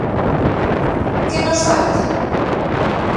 Que nos falta?